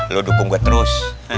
lu dukung gue terus